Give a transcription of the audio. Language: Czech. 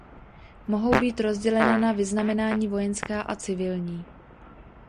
Mohou být rozdělena na vyznamenání vojenská a civilní.